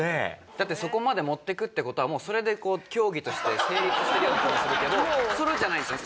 だってそこまで持っていくって事はもうそれで競技として成立してるような気もするけどそういう事じゃないんですね。